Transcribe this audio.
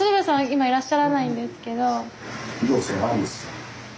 今いらっしゃらないんですけど。